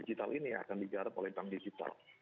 digital ini akan digarap oleh bank digital